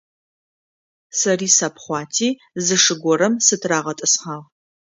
Сэри сапхъуати зы шы горэм сытырагъэтӏысхьагъ.